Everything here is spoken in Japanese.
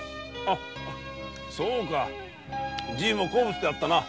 そうかじいも好物であったな。